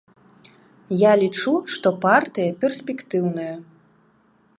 Я лічу, што партыя перспектыўная.